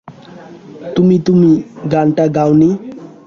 তুমি-তুমি গানটা গাওনি।